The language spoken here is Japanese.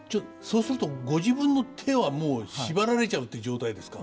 そうするとご自分の手はもう縛られちゃうって状態ですか？